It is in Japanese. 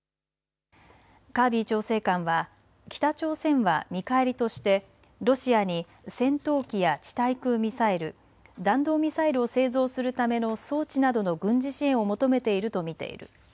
カービー調整官は北朝鮮は見返りとしてロシアに戦闘機や地対空ミサイル、弾道ミサイルを製造するための装置などの軍事支援を求めていると見ている。